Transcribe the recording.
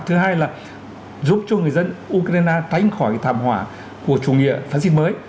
thứ hai là giúp cho người dân ukraine tránh khỏi thảm họa của chủ nghĩa phát sinh mới